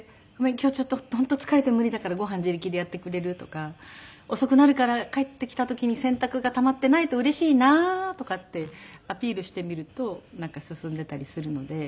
今日ちょっと本当疲れて無理だからご飯自力でやってくれる？」とか「遅くなるから帰ってきた時に洗濯がたまっていないとうれしいなあ」とかってアピールしてみるとなんか進んでいたりするので。